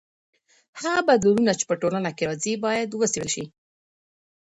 هغه بدلونونه چې په ټولنه کې راځي باید وڅېړل سي.